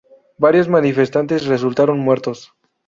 Varios manifestantes resultaron muertos.